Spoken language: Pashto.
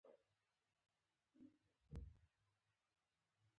دا پرزې باید د بس یا الوتکې له لارې راشي